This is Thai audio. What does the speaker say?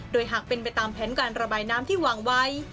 โดยหากเป็นไปตามแผนการระบายน้ำที่วางไว้